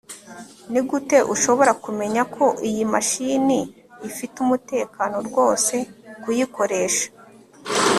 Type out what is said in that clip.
nigute ushobora kumenya ko iyi mashini ifite umutekano rwose kuyikoresha